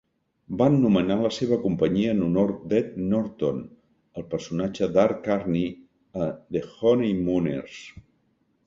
Van nomenar la seva companyia en honor d'Ed Norton, el personatge d'Art Carney a The Honeymooners.